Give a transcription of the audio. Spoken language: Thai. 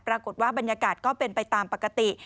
ปรากฏว่าบรรยากาศก็เป็นไปตามปกติ